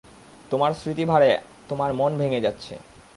তোমার স্মৃতির ভারে তোমার মন ভেঙ্গে যাচ্ছে।